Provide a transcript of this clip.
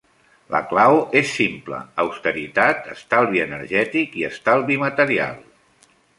La clau és simple: austeritat, estalvi energètic i estalvi material.